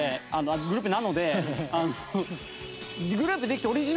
グループなので。